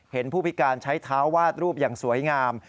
ผู้พิการใช้เท้าวาดรูปอย่างสวยงาม